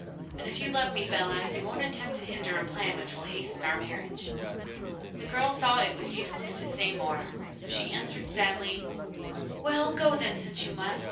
And if you love me, Bellah, you won't attempt to hinder a plan which will hasten our marriage.' The girl saw it was useless to say more, so she answered sadly: 'Well, go then, since you must.